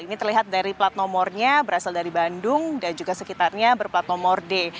ini terlihat dari plat nomornya berasal dari bandung dan juga sekitarnya berplat nomor d